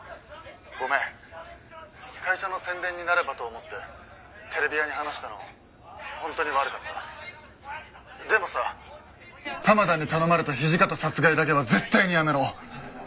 ごめん」「会社の宣伝になればと思ってテレビ屋に話したの本当に悪かった」でもさ玉田に頼まれた土方殺害だけは絶対にやめろ。